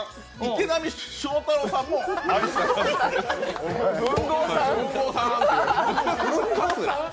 池波正太郎さんも愛したそうです。